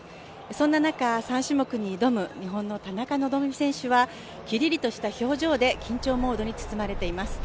そんな中、３種目に挑む日本の田中希実選手はキリリとした表情で緊張モードに包まれています。